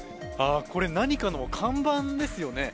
これ、何かの看板ですよね。